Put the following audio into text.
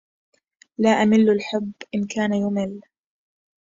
لا أمل الحب إن كان يمل